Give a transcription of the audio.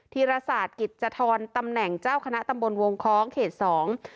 ีรศาสตร์กิจธรตำแหน่งเจ้าคณะตำบลวงคล้องเขตสอง